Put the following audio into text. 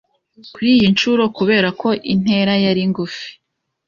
Kuriyi nshuro, kubera ko intera yari ngufi